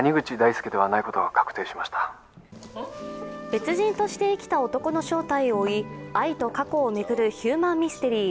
別人として生きた男の正体を追い、愛と過去を巡るヒューマンミステリー